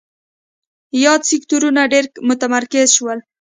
یاد سکتورونه ډېر متمرکز شول.